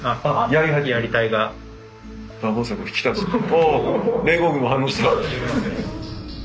お連合軍も反応した。